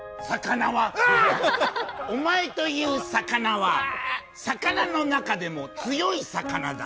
お前という魚は魚の中でも強い魚だ。